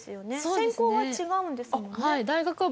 専攻は違うんですもんね。